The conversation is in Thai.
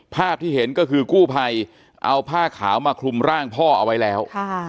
ภาพที่เห็นก็คือกู้ภัยเอาผ้าขาวมาคลุมร่างพ่อเอาไว้แล้ว